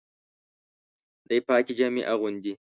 دی پاکي جامې اغوندي.